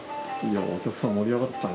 お客さん盛り上がってたね。